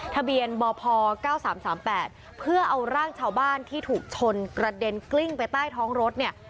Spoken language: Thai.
ทะเบียนบพ๙๓๓๘เพื่อเอาร่างชาวบ้านที่ถูกชนกระเด็นกลิ้งไปใต้ท้องรถเนี่ย